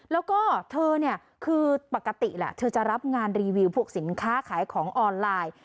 แล้วก็เธอเนี่ยคือปกติแหละเธอจะรับงานรีวิวพวกสินค้าขายของออนไลน์